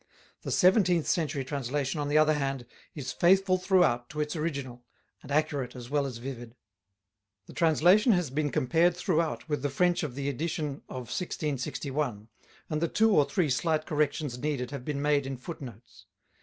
The seventeenth century translation, on the other hand, is faithful throughout to its original, and accurate as well as vivid. The translation has been compared throughout with the French of the edition of 1661, and the two or three slight corrections needed have been made in footnotes.